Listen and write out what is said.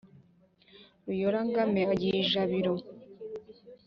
ruyora-ngame agiye i jabiro.